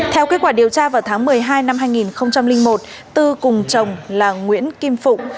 theo kết quả điều tra vào tháng một mươi hai năm hai nghìn một tư cùng chồng là nguyễn kim phụng